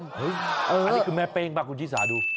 อันนี้คือแม่เป้งบ้างคุณชิสาดู